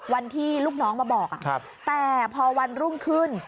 ลูกน้องมาบอกแต่พอวันรุ่งขึ้น